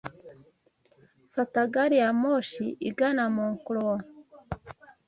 Fata gari ya moshi igana Moncloa.